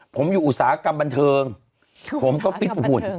ผมอยู่อุตสาหกรรมบันเทิงผมก็ฟิตหุ่น